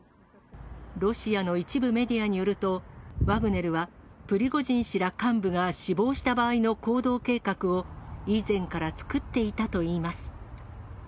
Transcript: ロシアの一部メディアによると、ワグネルはプリゴジン氏ら幹部が死亡した場合の行動計画を、以前から作っていたといいます。